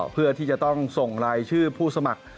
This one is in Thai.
เพื่อที่จะต้องส่งรายชื่อผู้สมัคร